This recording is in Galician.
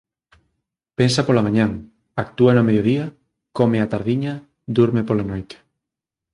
Pensa pola mañá, actúa no mediodía, come á tardiña, durme pola noite.